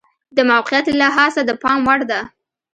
د موقعیت له لحاظه د پام وړ ده.